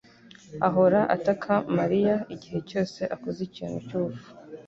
ahora ataka Mariya igihe cyose akoze ikintu cyubupfu.